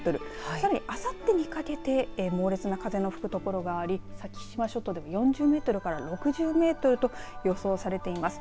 さらにあさってにかけて猛烈な風の吹くところがあり先島諸島でも４０メートルから６０メートルと予想されています。